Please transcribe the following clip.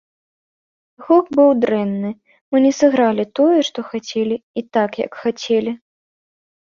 Гук быў дрэнны, мы не сыгралі тое, што хацелі, і так, як хацелі.